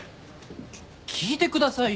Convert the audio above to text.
ちょ聞いてくださいよ。